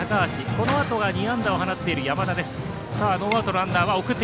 このあとが２安打を放っている山田。